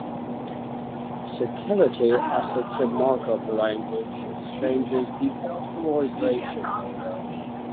Security Assertion Markup Language exchanges the authorization data.